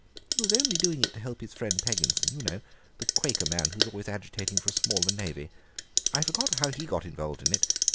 He was only doing it to help his friend Pegginson, you know—the Quaker man, who is always agitating for a smaller Navy. I forget how he got involved in it.